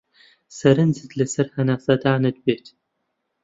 سەرنجت لەسەر هەناسەدانت بێت.